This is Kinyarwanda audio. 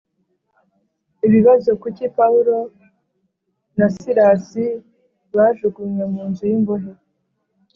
Ibibazo Kuki Pawulo na Silasi bajugunywe mu nzu y imbohe